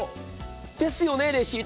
ですよね、レシート